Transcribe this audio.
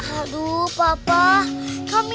aduh papa kami